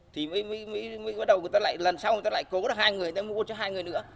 thì mới bắt đầu người ta lại lần sau người ta lại cố được hai người ta mua cho hai người nữa